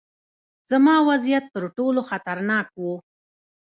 زما وضعیت ترټولو خطرناک و.